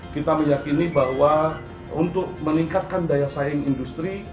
kita meyakini bahwa untuk meningkatkan daya saing industri